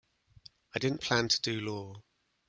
I didn't plan to do law.